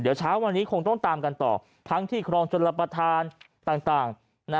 เดี๋ยวเช้าวันนี้คงต้องตามกันต่อทั้งที่ครองจนรับประทานต่าง